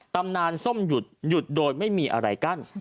ตำนานส้มหยุดหยุดโดยไม่มีอะไรกั้น